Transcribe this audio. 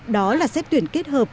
đó là xét tuyển kết hợp